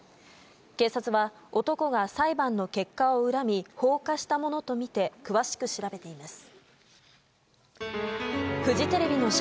警察は男が裁判の結果を恨み放火したものとみて詳しく調べています。